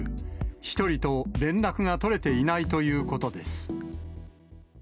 １人と連絡が取れていないということです。